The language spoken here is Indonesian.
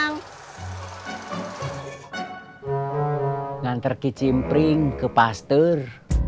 nganter ke cimpring ke pasteur